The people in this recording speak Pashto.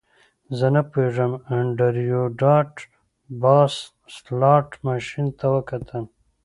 زه نه پوهیږم انډریو ډاټ باس سلاټ ماشین ته وکتل